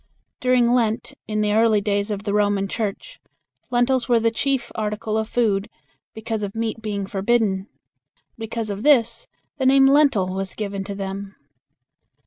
During Lent in the early days of the Roman Church, lentils were the chief article of food, because of meat being forbidden. Because of this the name lentil was given to them.